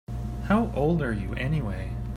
How old are you anyway?